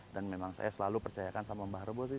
dan memang saya selalu percayakan sama mbah rebo sih